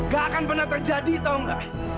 gak akan pernah terjadi tau gak